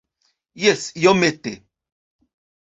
Jes, iomete.